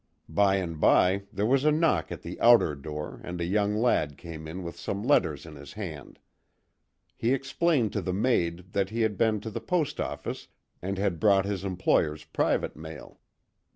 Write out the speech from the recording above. By and by there was a knock at the outer door and a young lad came in with some letters in his hand. He explained to the maid that he had been to the post office and had brought his employer's private mail.